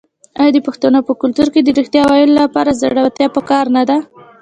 آیا د پښتنو په کلتور کې د ریښتیا ویلو لپاره زړورتیا پکار نه ده؟